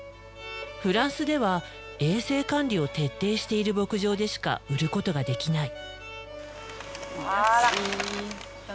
フランスでは衛生管理を徹底している牧場でしか売ることができない。